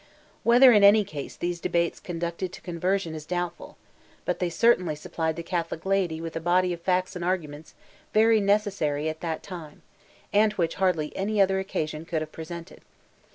Whether, in any case, these debates conduced to conversion is doubtful; but they certainly supplied the Catholic laity with a body of facts and arguments very necessary at that time, and which hardly any other occasion could have presented.